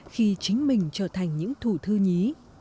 khi chính mình trở thành những thủ thư nhí